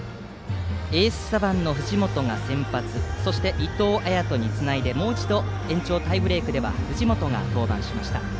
エース左腕の藤本が先発そして、伊藤彩斗につないでもう一度、延長タイブレークでは藤本が登板しました。